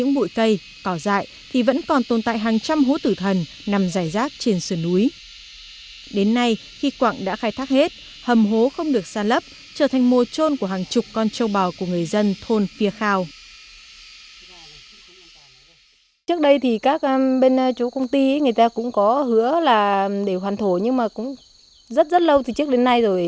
trước đây thì các bên chú công ty người ta cũng có hứa là để hoàn thổ nhưng mà cũng rất rất lâu từ trước đến nay rồi